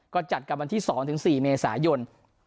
ก็จัดกับวันที่๒๔เมษายน